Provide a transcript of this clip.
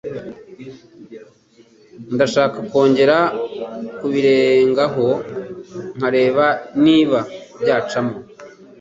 Ndashaka kongera kubirengaho nkareba nimba byacyamo.